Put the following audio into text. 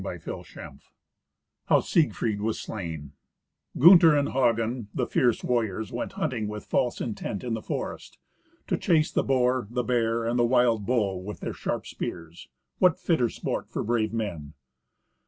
Sixteenth Adventure How Siegfried Was Slain Gunther and Hagen, the fierce warriors, went hunting with false intent in the forest, to chase the boar, the bear, and the wild bull, with their sharp spears. What fitter sport for brave men?